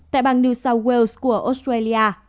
tại bang new south wales của australia